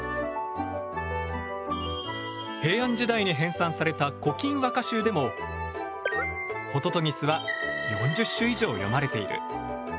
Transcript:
平安時代に編さんされた「古今和歌集」でもホトトギスは４０首以上詠まれている。